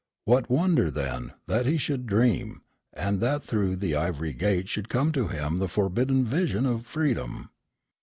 What wonder, then, that he should dream, and that through the ivory gate should come to him the forbidden vision of freedom?